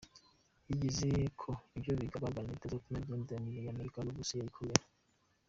Yizeye ko ivyo baganiriye bizotuma imigenderanire ya Amerika n'Uburusiya ikomera.